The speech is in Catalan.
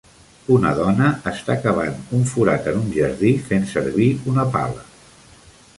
Una dona està cavant un forat en un jardí, fent servir una pala.